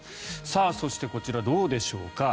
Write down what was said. そして、こちらどうでしょうか。